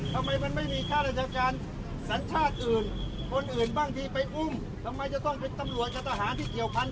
ทำไมไม่มีแอร์ไลน์ศูนย์เหรียญมีผมพูดได้เพราะผมเข้าใจเศรษฐกิจผมรู้